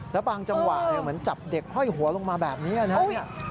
แล้วบางจังหวะเหมือนจับเด็กห้อยหัวลงมาแบบนี้นะครับ